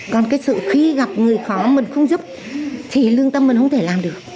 còn cái sự khi gặp người khó mình không giúp thì lương tâm mình không thể làm được